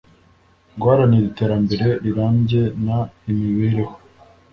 guharanira iterambere rirambye n imibereho